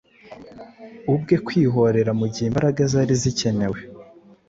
ubwe kwihorera mugihe imbaraga zari zikenewe